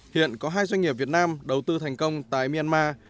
hiện có hai doanh nghiệp việt nam đầu tư thành công tại myanmar